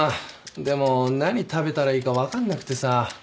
でも何食べたらいいか分かんなくてさ。